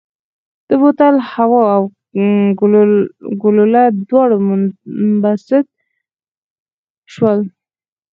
د بوتل هوا او ګلوله دواړه منبسط شول.